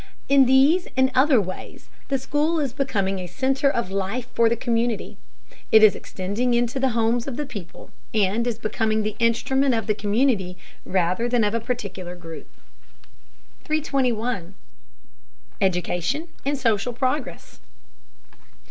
In these and other ways the school is becoming a center of life for the community. It is extending into the homes of the people and is becoming the instrument of the community rather than of a particular group. 321. EDUCATION AND SOCIAL PROGRESS.